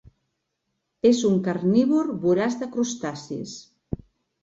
És un carnívor voraç de crustacis.